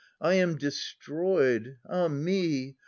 I am destroyed. Ah me!